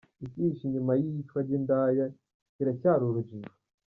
Icyihishe inyuma y’iyicwa ry’indaya kiracyari urujijo